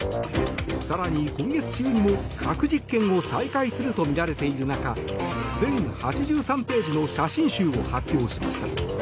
更に、今月中にも核実験を再開するとみられている中全８３ページの写真集を発表しました。